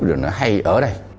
rồi nó hay ở đây